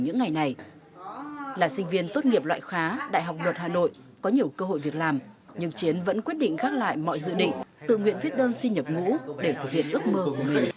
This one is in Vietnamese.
những ngày này là sinh viên tốt nghiệp loại khóa đại học luật hà nội có nhiều cơ hội việc làm nhưng chiến vẫn quyết định gác lại mọi dự định tự nguyện viết đơn xin nhập ngũ để thực hiện ước mơ của mình